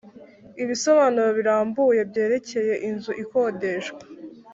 Ibisobanuro birambuye byerekeye inzu ikodeshwa